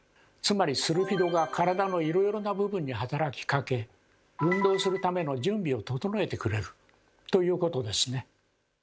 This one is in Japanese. つまりスルフィドが体のいろいろな部分に働きかけ運動するための準備を整えてくれるということですね。